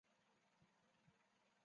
白茂线